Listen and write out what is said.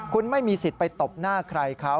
คุณไม่มีสิทธิ์ไปตบหน้าใครเขา